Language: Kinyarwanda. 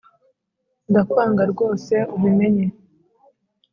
ndakwanga rwose ubimenye